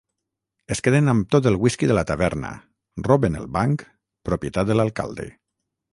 Es queden amb tot el whisky de la taverna, roben el banc, propietat de l'alcalde.